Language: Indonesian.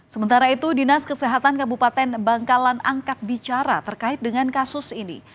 sementara itu dinas kesehatan kabupaten bangkalan angkat bicara terkait dengan kasus ini